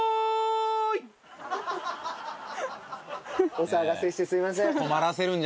お騒がせしてすみません。